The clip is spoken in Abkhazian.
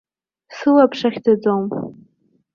Сылаԥш ахьӡаӡом.